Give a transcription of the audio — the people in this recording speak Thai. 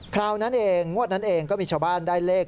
คราวนั้นเองงวดนั้นเองก็มีชาวบ้านได้เลข